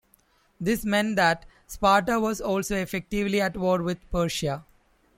This meant that Sparta was also effectively at war with Persia.